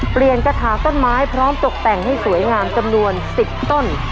กระถาต้นไม้พร้อมตกแต่งให้สวยงามจำนวน๑๐ต้น